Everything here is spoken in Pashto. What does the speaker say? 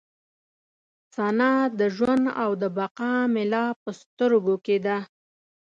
ثنا د ژوند او د بقا مې لا په سترګو کې ده.